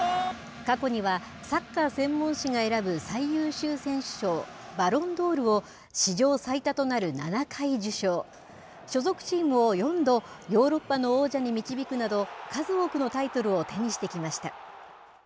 過去には、サッカー専門誌が選ぶ最優秀選手賞、バロンドールを、史上最多となる７回受賞、所属チームを４度、ヨーロッパの王者に導くなど、数多くのタイトルを手にしてきました。